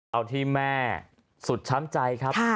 เอาที่แม่สุดช้ำใจครับ